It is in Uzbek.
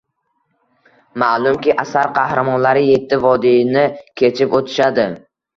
Ma’lumki, asar qahramonlari yetti vodiyni kechib o’tishadi.